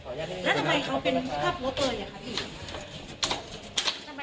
แล้วทำไมเขาเป็นผู้ถ้าผัวเกย่อครับ